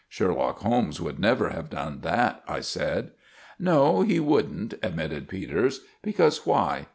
"Sherlock Holmes would never have done that," I said. "No, he wouldn't," admitted Peters. "Because why?